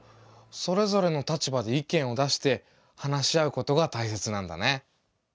それぞれの立場で意見を出して話し合うことがたいせつなんだね。